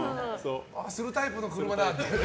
するタイプの車だってね。